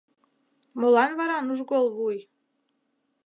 - Молан вара нужгол вуй?